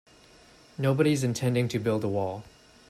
Nobody's intending to build a wall.